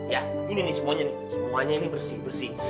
ya ini nih semuanya nih semuanya ini bersih bersih